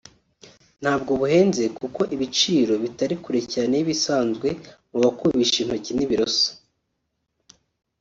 ntabwo buhenze kuko ibiciro bitari kure cyane y’ibisanzwe mu bakubisha intoki n’ibiroso